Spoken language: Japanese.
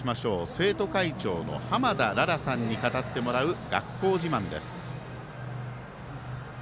生徒会長の濱田良々さんに語ってもらう学校自慢です。